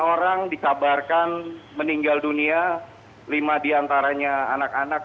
lima orang dikabarkan meninggal dunia lima diantaranya anak anak